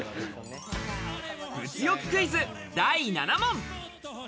物欲クイズ第７問！